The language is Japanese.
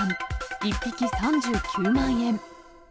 １匹３９万円。